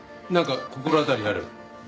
なんか心当たりある？